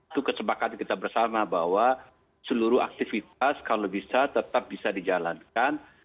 itu kesepakatan kita bersama bahwa seluruh aktivitas kalau bisa tetap bisa dijalankan